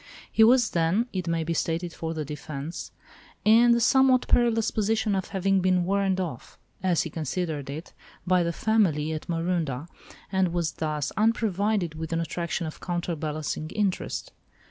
He was then (it may be stated for the defence) in the somewhat perilous position of having been warned off, as he considered it, by the family at Marondah, and was thus unprovided with an attraction of counterbalancing interest.